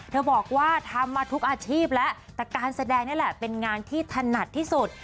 บอกว่าทำมาทุกอาชีพแล้วแต่การแสดงนี่แหละเป็นงานที่ถนัดที่สุด